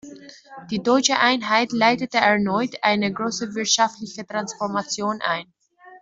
Die deutsche Einheit leitete erneut eine große wirtschaftliche Transformation ein.